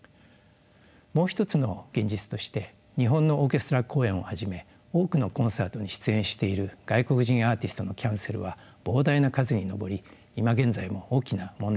もう一つの現実として日本のオーケストラ公演をはじめ多くのコンサートに出演している外国人アーティストのキャンセルは膨大な数に上り今現在も大きな問題になっています。